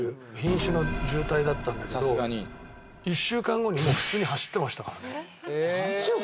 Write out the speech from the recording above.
瀕死の重体だったんだけど１週間後に普通に走ってましたからね。